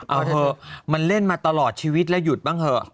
เอาเถอะมันเล่นมาตลอดชีวิตแล้วหยุดบ้างเถอะ